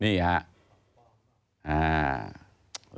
นี่ครับ